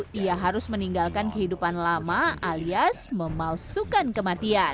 dia harus meninggalkan kehidupan lama alias memalsukan kematian